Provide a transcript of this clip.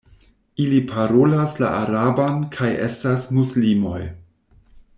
Ili parolas la araban kaj estas muslimoj.